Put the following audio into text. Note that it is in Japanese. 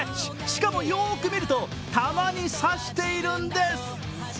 しかも、よく見ると玉に刺しているんです。